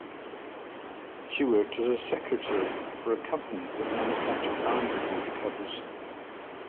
She worked as a secretary for a company that manufactured ironing board covers.